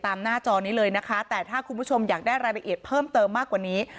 หน้าจอนี้เลยนะคะแต่ถ้าคุณผู้ชมอยากได้รายละเอียดเพิ่มเติมมากกว่านี้